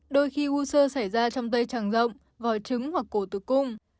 đôi khi u sơ xảy ra trong tay tràng rộng vòi trứng hoặc cổ tử cung